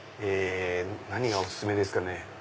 何がお薦めですかね？